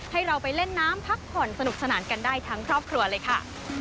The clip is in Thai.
ให้เราไปเล่นน้ำพักผ่อนสนุกสนานกันได้ทั้งครอบครัวเลยค่ะ